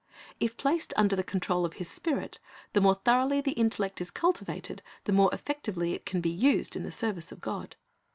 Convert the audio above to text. If placed under the control of His Spirit, the more thoroughly the intellect is cultivated, the more effectively it can be used in the service of God.